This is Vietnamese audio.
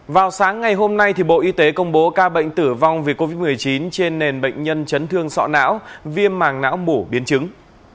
vào sáng ngày hôm nay bộ y tế công bố ca bệnh tử vong vì covid một mươi chín trên nền bệnh nhân chấn thương sọ não viêm màng não mủ biến chứng